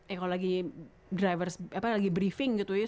eh kalo lagi driver apa lagi briefing gitu ya